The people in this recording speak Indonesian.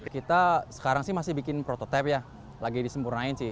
kita sekarang sih masih bikin prototipe ya lagi disempurnain sih